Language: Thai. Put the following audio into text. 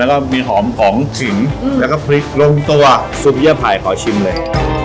แล้วก็มีหอมของขิงแล้วก็พริกลงตัวซุปเยื่อไผ่ขอชิมเลย